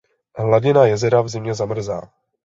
Hladina jezera v zimě zamrzá.